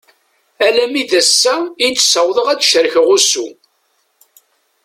Alammi d ass i ssawḍen ad cerken ussu.